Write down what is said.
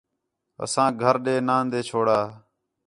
اسانک گھر ݙے ناندے چھوڑا